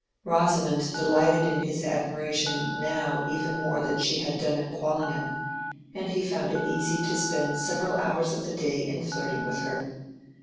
Rosamond delighted in his admiration now even more than she had done at Quallingham, and he found it easy to spend several hours of the day in flirting with her.